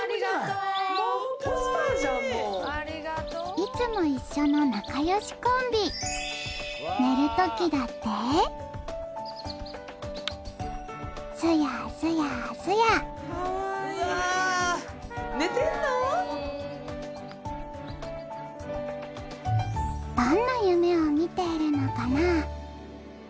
いつも一緒の仲良しコンビ寝る時だってすやすやすやどんな夢を見ているのかな？